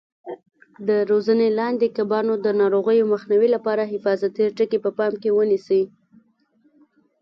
د روزنې لاندې کبانو د ناروغیو مخنیوي لپاره حفاظتي ټکي په پام کې ونیسئ.